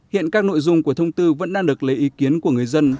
hiện các nội dung của thông tư vẫn đang được lấy ý kiến của người dân